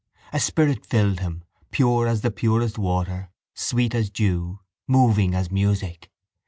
A spirit filled him, pure as the purest water, sweet as dew, moving as music.